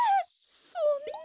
そんな。